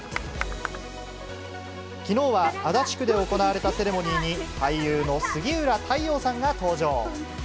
きのうは足立区で行われたセレモニーに、俳優の杉浦太陽さんが登場。